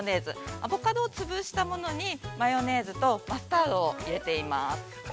アボカドを潰したものにマヨネーズとマスタードを入れています。